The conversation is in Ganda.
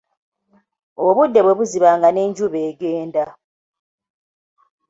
Obudde bwe buziba nga ne njuba egenda.